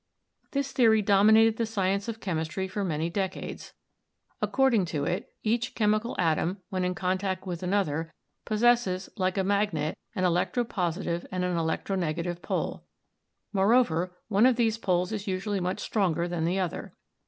This theory dominated the science of chemistry for many decades. According to it, each chemical atom, when in contact with another, possesses, like a magnet, an electropositive and an electronegative pole. Moreover, one of these poles is usually much stronger than the other.